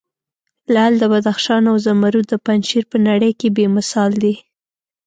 لعل د بدخشان او زمرود د پنجشیر په نړې کې بې مثال دي.